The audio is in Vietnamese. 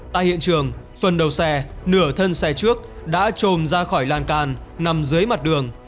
tại hiện trường phần đầu xe nửa thân xe trước đã trôm ra khỏi lan can nằm dưới mặt đường